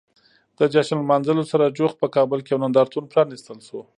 د جشن لمانځلو سره جوخت په کابل کې یو نندارتون پرانیستل شو.